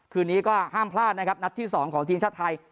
คืนนี้ก็ห้ามพลาดนะครับนัดที่๒ของทีมชาติไทย